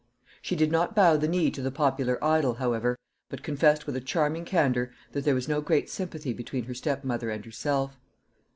She did not bow the knee to the popular idol, however, but confessed with a charming candour that there was no great sympathy between her stepmother and herself.